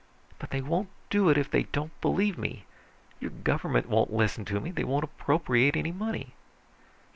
But they won't do it if they don't believe me. Your government won't listen to me, they won't appropriate any money."